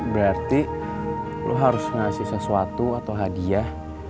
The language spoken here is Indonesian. berarti lo harus ngasih sesuatu atau hadiah